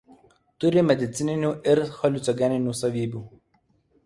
Turi medicininių ir haliucinogeninių savybių.